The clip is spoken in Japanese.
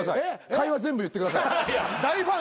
会話全部言ってください。